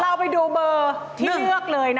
เราไปดูเบอร์ที่เลือกเลยนะ